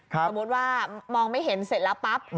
สมมุติว่ามองไม่เห็นเสร็จแล้วปั๊บ